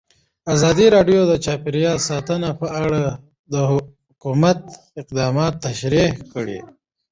ازادي راډیو د چاپیریال ساتنه په اړه د حکومت اقدامات تشریح کړي.